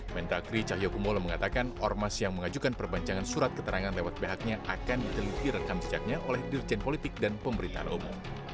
mendakri cahyokumolo mengatakan ormas yang mengajukan perpanjangan surat keterangan lewat pihaknya akan diteliti rekam sejaknya oleh dirjen politik dan pemerintahan umum